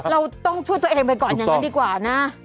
เราต้องช่วยตัวเองไปก่อนอย่างนั้นดีกว่านะ